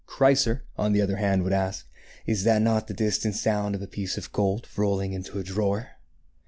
Chrysor, on the other hand, would ask, " Is not that the distant sound of a piece of gold rolling into a drawer?